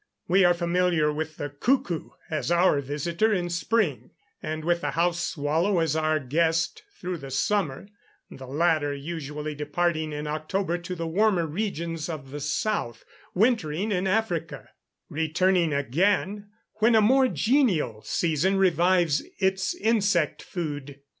We are familiar with the cuckoo as our visitor in spring, and with the house swallow as our guest through the summer, the latter usually departing in October to the warmer regions of the south, wintering in Africa, returning again when a more genial season revives its insect food.